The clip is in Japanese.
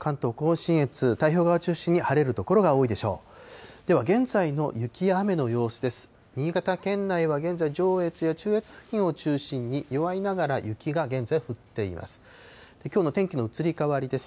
新潟県内は現在、上越や中越付近を中心に、弱いながら雪が現在降っています。